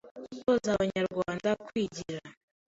Gutoza Abanyarwanda kwigira